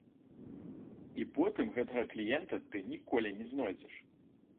І потым гэтага кліента ты ніколі не знойдзеш.